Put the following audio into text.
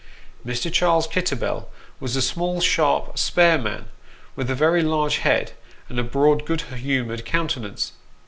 Mr. Charles Kitterbell was a small, sharp, spare man, with a very large head, and a broad, good humoured countenance.